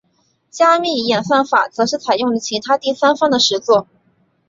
加密演算法则是采用了其他第三方的实作。